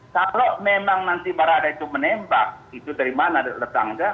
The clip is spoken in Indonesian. kalau memang nanti barada itu menembak itu dari mana letangnya